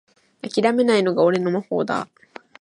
あきらめないのが俺の魔法だ